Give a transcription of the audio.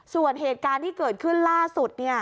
ส่วนเหตุการณ์ที่เกิดขึ้นล่าสุด